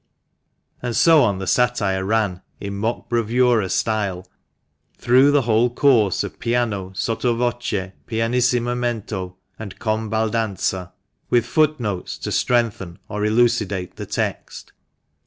And so on the satire ran, in mock bravura style, through the whole course of piano, sotto voce, pianissima mento, and con baldanza, THE MANCHESTER MAN. '95 with foot notes to strengthen or elucidate the text.